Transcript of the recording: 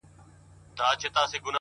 عاجزي د لویوالي ښکلی انعکاس دی.!